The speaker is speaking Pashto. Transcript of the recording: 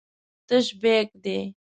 تش بیک دی.